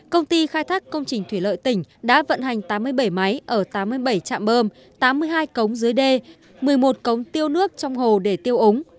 công ty khai thác công trình thủy lợi tỉnh đã vận hành tám mươi bảy máy ở tám mươi bảy trạm bơm tám mươi hai cống dưới đê một mươi một cống tiêu nước trong hồ để tiêu úng